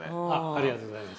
ありがとうございます。